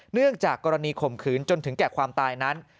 เนื่องจากกรณีข่มขืนจนถึงแก่ความตายนั้น